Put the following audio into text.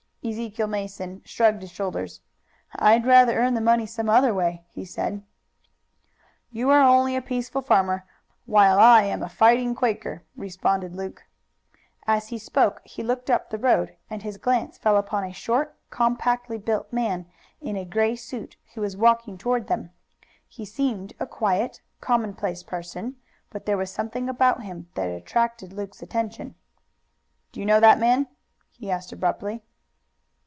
Ezekiel Mason shrugged his shoulders. "I'd rather earn the money some other way!" he said. "You are only a peaceful farmer, while I am a fighting Quaker," responded Luke. As he spoke he looked up the road, and his glance fell upon a short, compactly built man in a gray suit, who was walking toward them. He seemed a quiet, commonplace person, but there was something about him that attracted Luke's attention. "Do you know that man?" he asked abruptly.